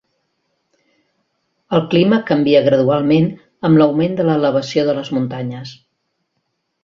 El clima canvia gradualment amb l'augment de l'elevació de les muntanyes.